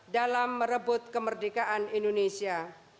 dalam merebut kemerdekaan indonesia